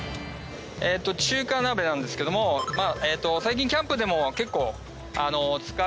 中華鍋なんですけども最近キャンプでも結構使う方も。